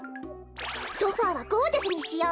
ソファーはゴージャスにしよう。